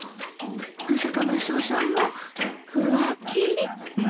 まさかマスオさんも浮気？